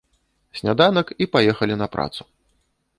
Сняданак, і паехалі на працу.